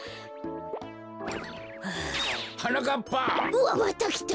うわっまたきた！